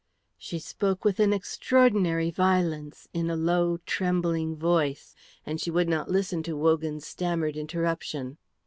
She spoke with an extraordinary violence in a low, trembling voice, and she would not listen to Wogan's stammered interruption.